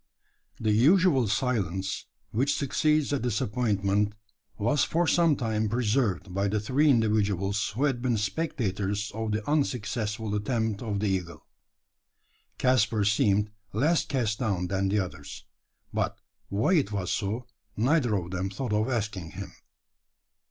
The usual silence which succeeds a disappointment was for some time preserved by the three individuals who had been spectators of the unsuccessful attempt of the eagle. Caspar seemed less cast down than the others; but why it was so, neither of them thought of asking him.